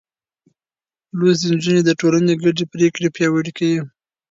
لوستې نجونې د ټولنې ګډې پرېکړې پياوړې کوي.